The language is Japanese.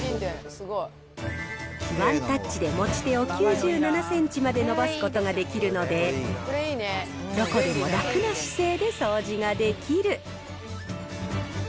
ワンタッチで持ち手を９７センチまで伸ばすことができるので、どこでも楽な姿勢で掃除ができる。